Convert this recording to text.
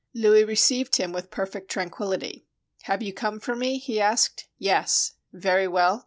Louis received him with perfect tranquillity. ''Have you come for me?" he asked. "Yes." "Very well.